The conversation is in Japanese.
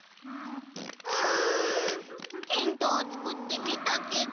うんテントをつくってみたけど。